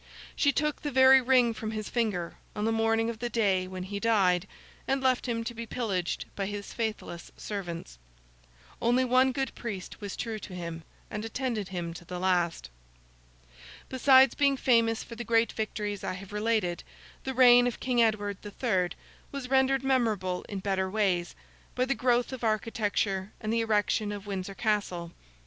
She took the very ring from his finger on the morning of the day when he died, and left him to be pillaged by his faithless servants. Only one good priest was true to him, and attended him to the last. Besides being famous for the great victories I have related, the reign of King Edward the Third was rendered memorable in better ways, by the growth of architecture and the erection of Windsor Castle.